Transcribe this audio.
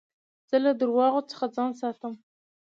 زه له درواغو څخه ځان ساتم.